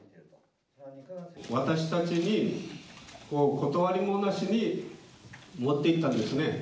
私達に断りもなしに持っていったんですね